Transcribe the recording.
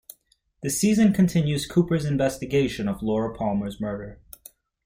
The season continues Cooper's investigation of Laura Palmer's murder.